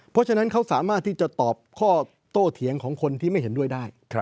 เพราะฉะนั้นเขาสามารถที่จะตอบข้อโตเถียงของคนที่ไม่เห็นด้วยได้